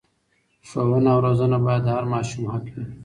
ښوونه او روزنه باید د هر ماشوم حق وي.